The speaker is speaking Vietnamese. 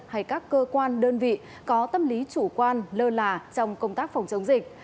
hay các cơ quan đơn vị có tâm lý chủ quan lơ là trong công tác phòng chống dịch